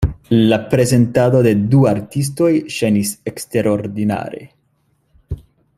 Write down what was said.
La prezentadoj de du artistoj ŝajnis eksterordinare.